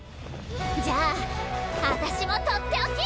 じゃあ私もとっておき！